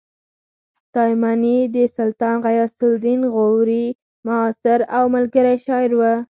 تایمني د سلطان غیاث الدین غوري معاصر او ملګری شاعر و